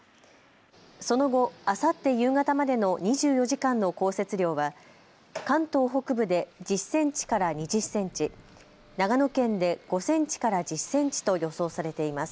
その後、あさって夕方までの２４時間の降雪量は関東北部で１０センチから２０センチ、長野県で５センチから１０センチと予想されています。